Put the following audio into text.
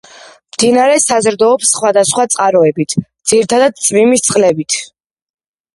მდინარე საზრდოობს სხვადასხვა წყაროებით, ძირითადად წვიმის წყლებით.